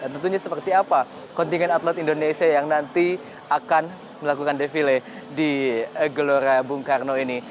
tentunya seperti apa kontingen atlet indonesia yang nanti akan melakukan defile di gelora bung karno ini